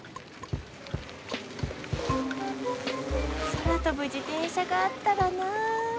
空飛ぶ自転車があったらな。